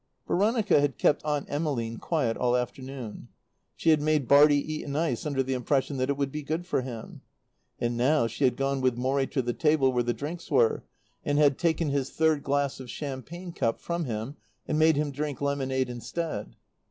Veronica had kept Aunt Emmeline quiet all afternoon. She bad made Bartie eat an ice under the impression that it would be good for him. And now she had gone with Morrie to the table where the drinks were, and had taken his third glass of champagne cup from him and made him drink lemonade instead.